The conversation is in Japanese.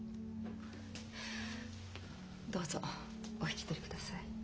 どうぞお引き取りください。